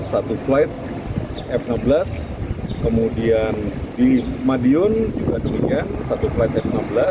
satu flight f enam belas kemudian di madiun juga dulunya satu flight f enam belas